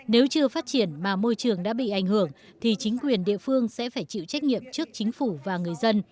nếu chưa phát triển mà môi trường đã bị ảnh hưởng thì chính quyền địa phương sẽ phải chịu trách nhiệm trước chính phủ và người dân